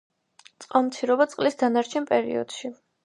წყალმცირობა წლის დანარჩენ პერიოდში.